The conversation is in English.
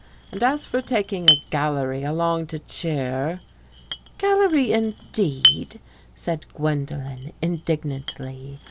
And as for taking a gallery along to cheer .. "Gallery, indeed!" said Gwendolen indignantly.